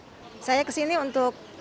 saya kesini untuk vaksin booster untuk moderna